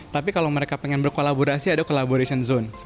tapi kalau mereka pengen berkolaborasi ada collaboration zone